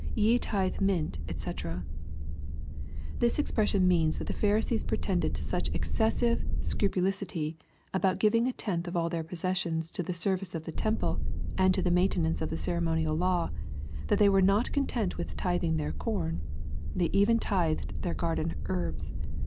[ Te tUhs mini, doc] This expression means that the Pharisees pretended to such excessive scrupulosity about giving a tenth of all their possessions to the service of the temple and to the main* tenance of the ceremonial law, that they were not content with tithing their corn. They even tithed their garden herbs.